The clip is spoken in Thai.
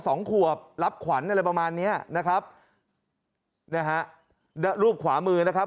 สองขวบรับขวัญอะไรประมาณเนี้ยนะครับนะฮะรูปขวามือนะครับ